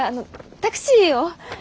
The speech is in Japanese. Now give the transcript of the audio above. タクシーを。